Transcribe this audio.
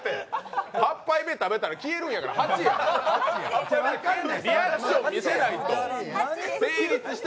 ８杯目食べたら消えるんやから８やて。